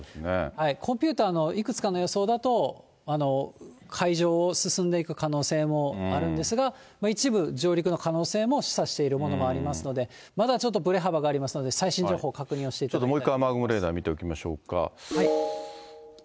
コンピューターのいくつかの予想だと、海上を進んでいく可能性もあるんですが、一部、上陸の可能性も示唆しているものもありますので、まだちょっとぶれ幅がありますので、最新情報、確認をしていただきたいと思います。